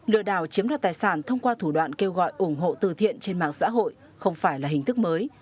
lừa đảo chiếm đoạt tài sản thông qua thủ đoạn kêu gọi ủng hộ từ thiện trên mạng xã hội không phải là hình thức mới